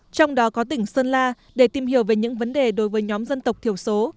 trong đó có tỉnh sơn la để tìm hiểu về những vấn đề đối với nhóm dân tộc thiểu số